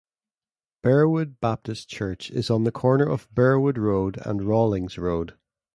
Bearwood Baptist Church is on the corner of Bearwood Road and Rawlings Road.